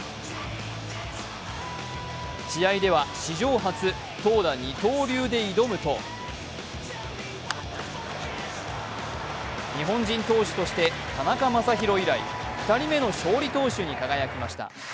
試合では史上初投打二刀流で挑むと日本人投手として田中将大以来、２人目の勝利投手に輝きました。